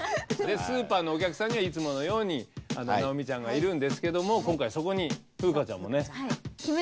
スーパーのお客さんにはいつものように尚美ちゃんがいるんですけども今回そこに風花ちゃんもね。「鬼滅」